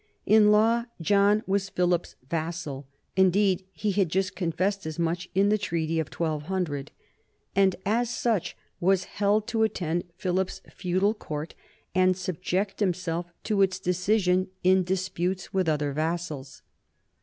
In law John was Philip's vassal, indeed, he had just confessed as much in the treaty of 1 200, and as such was held to attend Philip's feudal court and subject himself to its decision in disputes 138 NORMANS IN EUROPEAN HISTORY with other vassals.